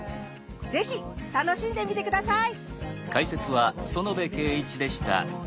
是非楽しんでみて下さい！